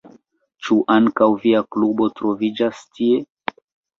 Ĉu ankaŭ via klubo troviĝas tie?